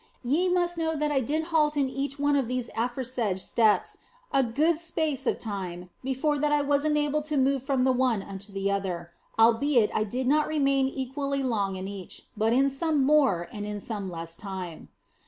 Ye must know that I did halt in each one of these aforesaid steps a good space of time before that I was enabled to move from the one unto the other ; albeit I did not remain equally long in each, but in some more and in some less time.